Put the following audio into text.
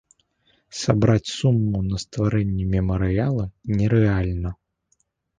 Сабраць суму на стварэнне мемарыяла нерэальна.